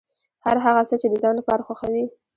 هر هغه څه چې د ځان لپاره خوښوې.